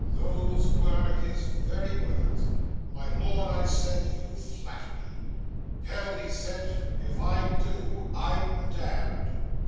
Those were his very words. "My Lord," I said, "you flatter me." "Pell," he said, "if I do, I'm damned."